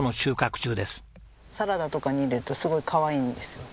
サラダとかに入れるとすごいかわいいんですよ